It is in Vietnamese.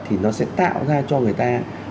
thì nó sẽ tạo ra cho người ta